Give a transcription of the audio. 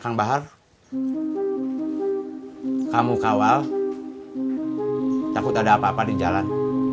kang bahar kamu kawal takut ada apa apa di jalan